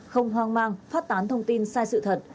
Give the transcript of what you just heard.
không hoang mang phát tán thông tin sai sự thật